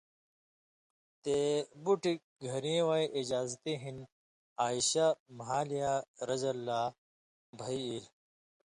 تے بُٹیۡ گھریں وَیں اجازتی ہِن عائشہ مھالیۡیاں رض بہی ایلوۡ۔